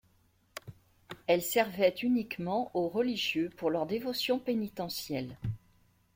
Elle servait uniquement aux religieux pour leurs dévotions pénitentielles.